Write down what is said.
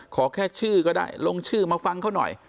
ขอแค่ชื่อก็ได้ลงชื่อมาฟังเขาหน่อย